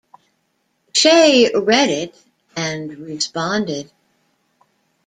Shaye read it and responded.